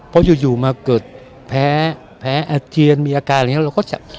เพราะอยู่มาเกิดแพ้แพ้อาเจียนมีอาการอะไรอย่างนี้